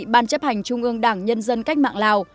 ban chấp hành trung ương đảng nhân dân cách mạng lào